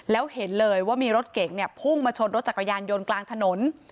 แล้วเห็นเลยว่ามีรถเก่งเนี่ยพุ่งมาชนรถจักรยานยนต์กลางถนน